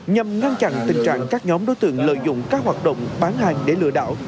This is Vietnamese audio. nhằm ngăn chặn tình trạng các nhóm đối tượng lợi dụng các hoạt động bán hàng để lừa đảo